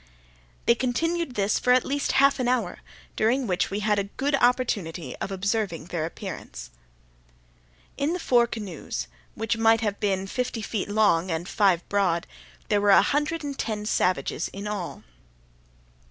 They continued this for at least half an hour, during which we had a good opportunity of observing their appearance. In the four canoes, which might have been fifty feet long and five broad, there were a hundred and ten savages in all.